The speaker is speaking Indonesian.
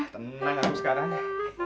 tenang aku sekarang ya